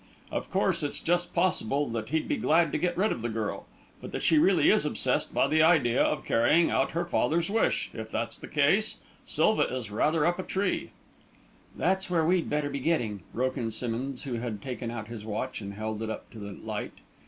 Of course, it's just possible that he'd be glad to get rid of the girl, but that she really is obsessed by the idea of carrying out her father's wish. If that's the case, Silva is rather up a tree." "That's where we'd better be getting," broke in Simmonds, who had taken out his watch and held it up to the light.